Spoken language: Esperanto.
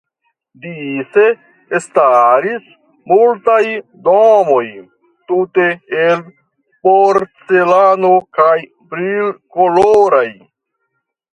Dise staris multaj domoj tute el porcelano kaj brilkoloraj.